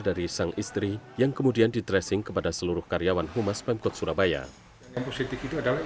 dari sang istri yang kemudian di tracing kepada seluruh karyawan humas pemkot surabaya yang positif itu adalah